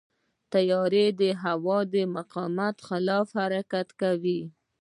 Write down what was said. طیاره د هوا د مقاومت خلاف حرکت کوي.